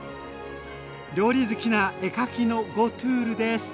料理好きな絵描きのゴトゥールです。